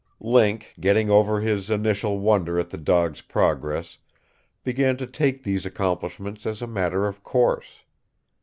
Link, getting over his initial wonder at the dog's progress, began to take these accomplishments as a matter of course.